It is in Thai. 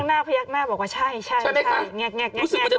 น้องข้างหน้าเขาแยกหน้าบอกว่าใช่แง่กมาแล้ว